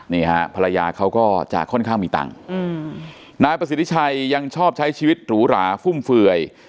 นี่ฮะภรรยาเขาก็จะค่อนข้างมีตังค์นายประสิทธิชัยยังชอบใช้ชีวิตหรูหราฟุ่มเฟื่อย